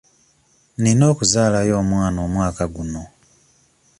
Nina okuzaalayo omwana omwaka guno.